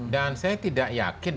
dan saya tidak yakin